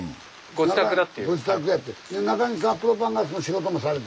ご自宅やって。